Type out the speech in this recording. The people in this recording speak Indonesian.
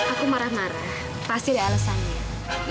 aku marah marah pasti ada alasannya